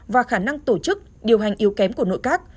và khả năng tổ chức điều hành yếu kém của nội các